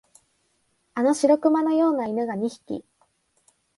あの白熊のような犬が二匹、